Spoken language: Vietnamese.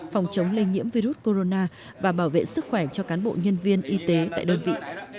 phòng chống lây nhiễm virus corona và bảo vệ sức khỏe cho cán bộ nhân viên y tế tại đơn vị